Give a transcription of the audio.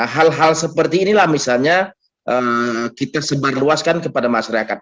hal hal seperti inilah misalnya kita sebarluaskan kepada masyarakat